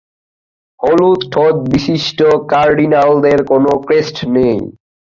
হলুদ ঠোঁট বিশিষ্ট কার্ডিনালদের কোন ক্রেস্ট নেই।